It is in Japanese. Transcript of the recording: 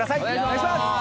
お願いします！